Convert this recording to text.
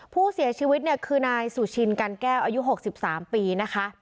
ผู้เสียชีวิตเนี่ยคือนายสุชินกันแก้วอายุ๖๓ปีนะคะ